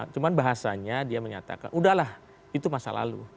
cuma bahasanya dia menyatakan udahlah itu masa lalu